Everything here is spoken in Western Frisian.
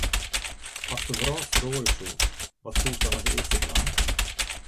Ast de wrâld feroarje soest, wat soest dan as earste dwaan?